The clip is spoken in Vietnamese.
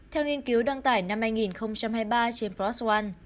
theo nghiên cứu đăng tải năm hai nghìn hai mươi ba trên prostom